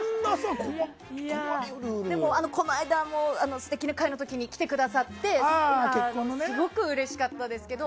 でも、この間も素敵な回の時に来てくださってすごくうれしかったですけど。